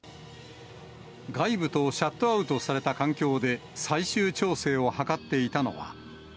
外部とシャットアウトされた環境で、最終調整を図っていたのは。